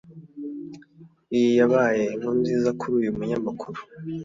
Iyi yabaye inkuru nziza kuri uyu munyamakuru